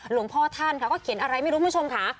หลวงพ่อท่านค่ะก็เขียนอะไรไม่รู้คุณผู้ชมค่ะ